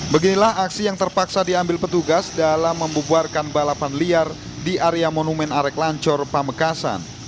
beginilah aksi yang terpaksa diambil petugas dalam membuarkan balapan liar di area monumen arek lancur pamekasan